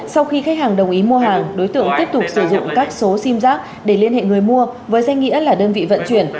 sau khi khách hàng đồng ý mua hàng đối tượng tiếp tục sử dụng các số sim giác để liên hệ người mua với danh nghĩa là đơn vị vận chuyển